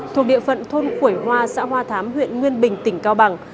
thuộc địa phận thôn khuổi hoa xã hoa thám huyện nguyên bình tỉnh cao bằng